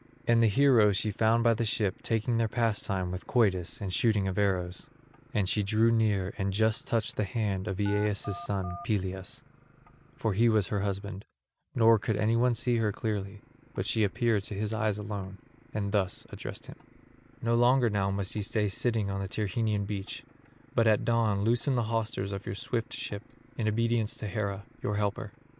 And the heroes she found by the ship taking their pastime with quoits and shooting of arrows; and she drew near and just touched the hand of Aeaeus' son Peleus, for he was her husband; nor could anyone see her clearly, but she appeared to his eyes alone, and thus addressed him: "No longer now must ye stay sitting on the Tyrrhenian beach, but at dawn loosen the hawsers of your swift ship, in obedience to Hera, your helper.